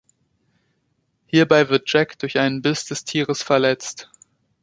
Hierbei wird Jack durch einen Biss des Tieres verletzt.